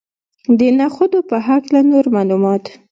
د نخودو په هکله نور معلومات.